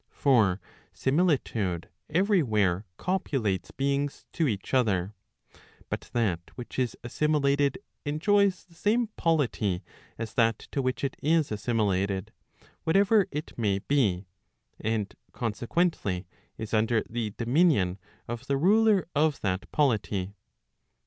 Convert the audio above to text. For similitude every where copulates * beings to each other; but that which is assimilated enjoys the same polity as that to which it is assimilated, whatever it may be, and consequently, is under the dominion of the ruler of that polity.